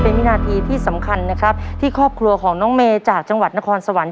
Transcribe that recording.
เป็นวินาทีที่สำคัญนะครับที่ครอบครัวของน้องเมย์จากจังหวัดนครสวรรค